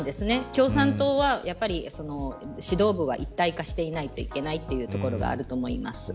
共産党は、やっぱり指導部が一体化していないといけないというところがあると思います。